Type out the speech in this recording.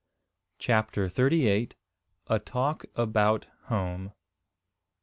CHAPTER THIRTY EIGHT. A TALK ABOUT HOME.